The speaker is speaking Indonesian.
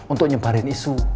untuk nyebarin isu